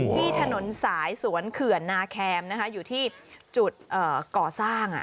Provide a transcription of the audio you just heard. ที่ถนนสายสวนเขื่อนนาแคมอยู่ที่จุดก่อสร้าง